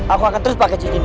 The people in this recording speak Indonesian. aku akan terus pakai cincin ini